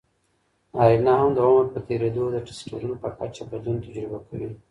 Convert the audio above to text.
نارینه هم د عمر په تېریدو د ټیسټسټرون په کچه بدلون تجربه کوي.